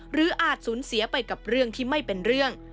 อาจสูญเสียไปกับเรื่องที่ไม่เป็นเรื่อง